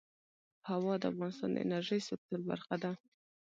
هوا د افغانستان د انرژۍ سکتور برخه ده.